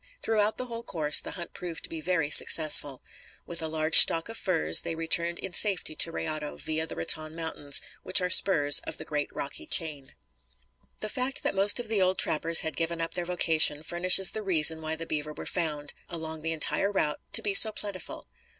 Throughout the whole course the hunt proved to be very successful. With a large stock of furs they returned in safety to Rayado, via the Raton Mountains, which are spurs of the great Rocky chain. The fact that most of the old trappers had given up their vocation furnishes the reason why the beaver were found, along the entire route, to be so plentiful.